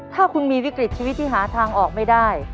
ถ้าคุณมีวิกฤตชีวิตที่หาทางออกไม่ได้